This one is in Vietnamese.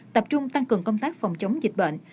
tập trung tăng cường công tác phòng chống dịch bệnh